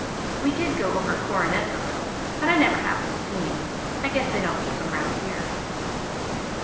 We did go over coronets a little, but I never happened to see any. I guess they don't keep 'em 'round here."